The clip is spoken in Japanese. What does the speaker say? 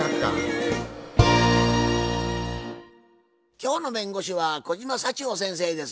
今日の弁護士は小島幸保先生です。